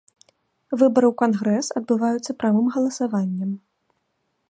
Выбары ў кангрэс адбываюцца прамым галасаваннем.